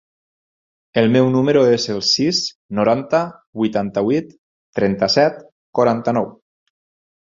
El meu número es el sis, noranta, vuitanta-vuit, trenta-set, quaranta-nou.